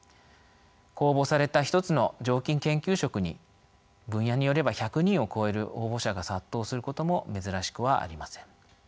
公募された１つの常勤研究職に分野によれば１００人を超える応募者が殺到することも珍しくはありません。